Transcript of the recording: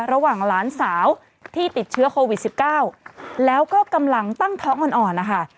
หลานสาวที่ติดเชื้อโควิด๑๙แล้วก็กำลังตั้งท้องอ่อนนะคะ